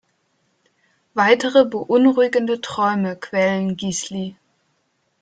Weitere beunruhigende Träume quälen Gísli.